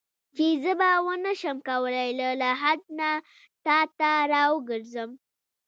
چې زه به ونه شم کولای له لحد نه تا ته راوګرځم.